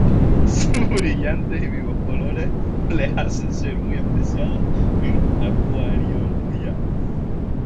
Sus brillantes y vivos colores les hacen ser muy apreciados en acuariología.